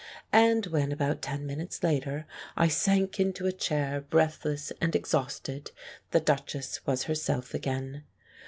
And when, about ten minutes later, I sank into a chair breathless and exhausted, the Duchess was herself again.